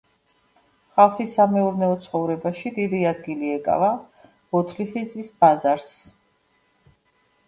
ხალხის სამეურნეო ცხოვრებაში დიდი ადგილი ეკავა ბოთლიხის ბაზარს.